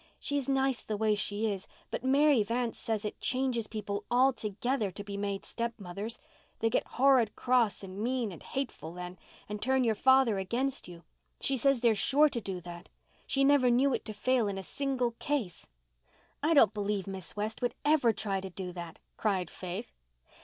"She is nice the way she is. But Mary Vance says it changes people altogether to be made stepmothers. They get horrid cross and mean and hateful then, and turn your father against you. She says they're sure to do that. She never knew it to fail in a single case." "I don't believe Miss West would ever try to do that," cried Faith.